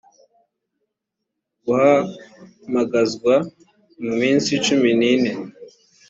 guhamagazwa mu minsi cumi n ine